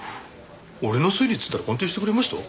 俺の推理って言ったら鑑定してくれました？